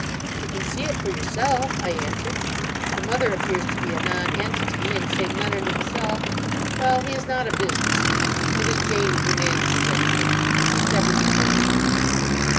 "You can see it for yourself," I answered. "The mother appears to be a nonentity, and St. Leonard himself—well, he is not a business man. It is Janie who manages everything—keeps everything going."